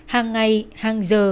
hàng ngày hàng giờ